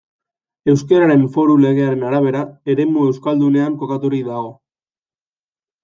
Euskararen Foru Legearen arabera, eremu euskaldunean kokaturik dago.